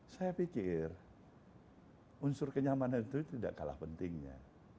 saya pikir unsur kenyamanan itu tidak kalah pentingnya